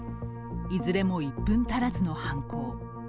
いずれも１分足らずの犯行。